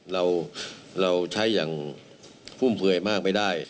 เราใช้อย่างฟุ่มเฟือยมากไม่ได้